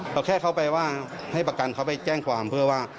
เอาแค่เขาไปว่าให้ประกันเขาไปแจ้งความเพื่อว่า